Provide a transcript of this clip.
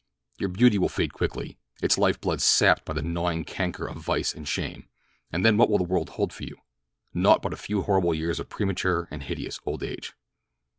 Your beauty will fade quickly—its lifeblood sapped by the gnawing canker of vice and shame, and then what will the world hold for you? Naught but a few horrible years of premature and hideous old age."